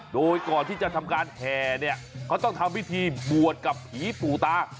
โดยก่อนที่จะทำการแห่เนี่ยเขาต้องทำพิธีบวชกับผีปู่ตา